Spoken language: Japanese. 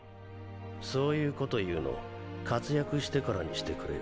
そういうこと言うの活躍してからにしてくれよ。